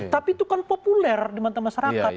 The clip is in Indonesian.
tapi itu kan populer di mata masyarakat